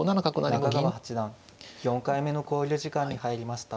中川八段４回目の考慮時間に入りました。